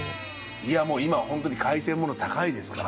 いやもう今はホントに海鮮もの高いですから。